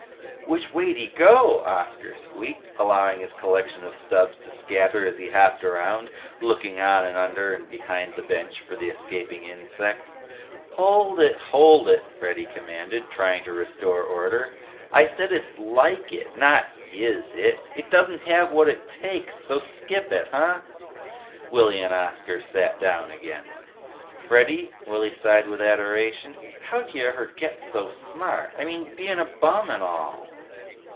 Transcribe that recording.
"Which way'd he go?" Oscar squeaked, allowing his collection of stubs to scatter as he hopped around, looking on and under and behind the bench for the escaping insect. "Hold it, hold it," Freddy commanded, trying to restore order. "I said it's like it, not IS it. It doesn't have what it takes, so skip it, huh?" Willy and Oscar sat down again. "Freddy," Willy sighed with adoration, "how'd ya ever get so smart? I mean, bein' a bum and all?"